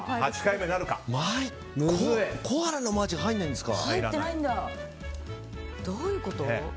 コアラのマーチが入らないんですか。